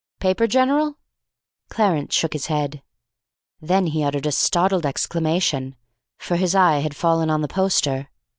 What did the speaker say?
"Paper, General?" Clarence shook his head. Then he uttered a startled exclamation, for his eye had fallen on the poster.